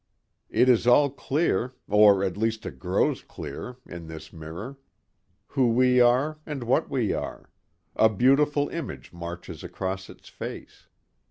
It is all clear or at least it grows clear in this mirror; who we are and what we are.... A beautiful image marches across its face.